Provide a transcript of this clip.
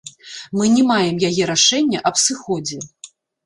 Мы не маем яе рашэння аб сыходзе.